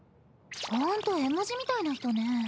ほんと絵文字みたいな人ね。